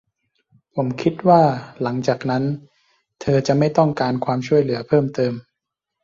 ผมคิดว่าหลังจากนั้นเธอจะไม่ต้องการความช่วยเหลือเพิ่มเติม